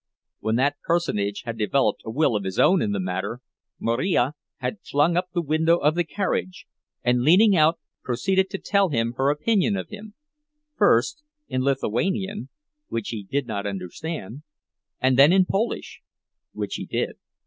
When that personage had developed a will of his own in the matter, Marija had flung up the window of the carriage, and, leaning out, proceeded to tell him her opinion of him, first in Lithuanian, which he did not understand, and then in Polish, which he did.